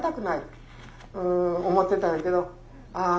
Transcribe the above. うん思ってたんやけどああ